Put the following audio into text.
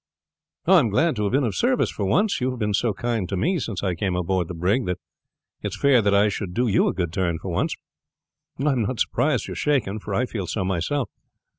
"I am glad to have been of service for once. You have been so kind to me since I came aboard the brig that it is fair that I should do you a good turn for once. I am not surprised you are shaken, for I feel so myself.